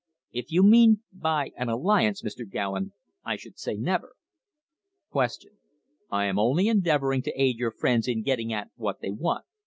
If you mean (by) an alliance, Mr. Gowen, I should say never. Q. I am only endeavouring to aid your friends in getting at what they want.